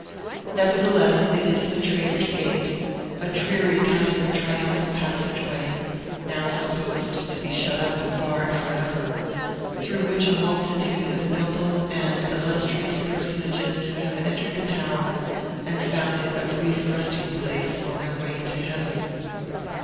Nevertheless, it is the Traitor's Gate, a dreary kind of triumphal passageway (now supposed to be shut up and barred forever), through which a multitude of noble and illustrious personages have entered the Tower and found it a brief resting place on their way to heaven.